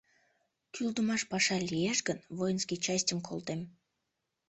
«Кӱлдымаш паша лиеш гын, воинский частьым колтем.